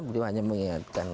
beliau hanya mengingatkan